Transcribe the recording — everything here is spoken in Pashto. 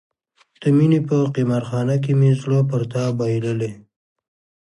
د مینې په قمار خانه کې مې زړه پر تا بایللی.